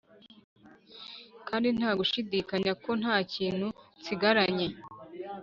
kandi ntagushidikanya ko ntakintu nsigaranye